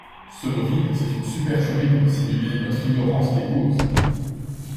Ce mot vide c'est une supercherie pour dissimuler notre ignorance des causes!